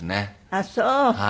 あっそう。